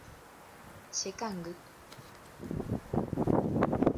Chekangy.